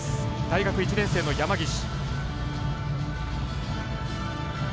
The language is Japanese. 大学１年生の山岸。